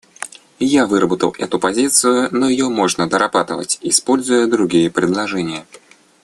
Я выработал эту позицию, но ее можно дорабатывать, используя другие предложения.